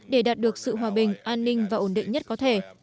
để đạt được sự hòa bình an ninh và ổn định nhất có thể